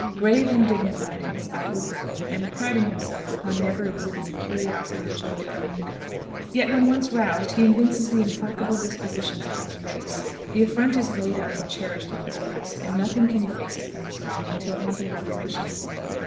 Grave and dignified in his outward bearing, and priding himself upon never exhibiting curiosity, joy, or anger, yet when once roused he evinces the implacable dispositions of his race; the affront is laid up and cherished in his breast, and nothing can efface it from his mind until ample reparation is made.